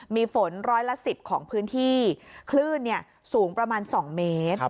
มีฝนร้อยละ๑๐ของพื้นที่คลื่นสูงประมาณ๒เมตร